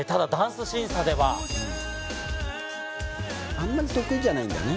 あんまり得意じゃないんだね。